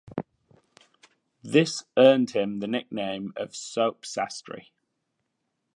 This earned him the nickname of Soap Sastry.